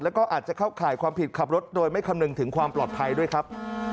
แล้วก็อาจจะเข้าข่ายความผิดขับรถโดยไม่คำนึงถึงความปลอดภัยด้วยครับ